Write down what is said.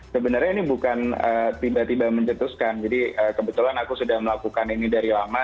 sebenarnya ini bukan tiba tiba mencetuskan jadi kebetulan aku sudah melakukan ini dari lama